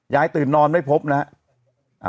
ยายตื่นนอนไม่พบนะฮะ